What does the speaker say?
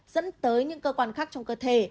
dẫn tới những cơ quan khác trong cơ thể